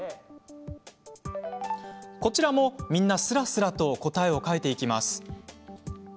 こちらも、みんなスラスラと答えを書いていきます。